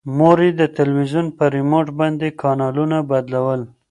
مور یې د تلویزون په ریموټ باندې کانالونه بدلول.